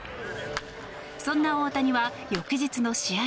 そんな大谷は翌日の試合